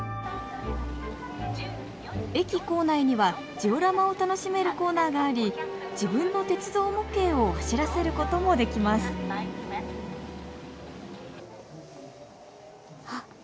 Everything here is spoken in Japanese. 駅構内にはジオラマを楽しめるコーナーがあり自分の鉄道模型を走らせることもできますあっ